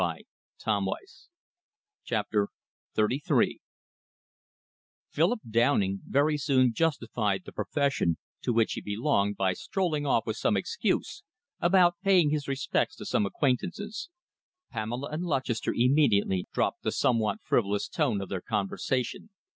she murmured. CHAPTER XXXIII Philip Downing very soon justified the profession to which he belonged by strolling off with some excuse about paying his respects to some acquaintances. Pamela and Lutchester immediately dropped the somewhat frivolous tone of their conversation.